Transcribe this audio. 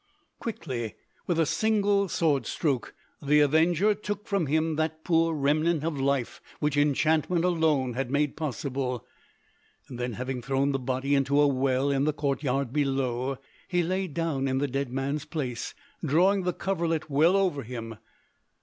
Quickly, with a single sword stroke, the avenger took from him that poor remnant of life which enchantment alone had made possible: then having thrown the body into a well in the courtyard below, he lay down in the dead man's place, drawing the coverlet well over him.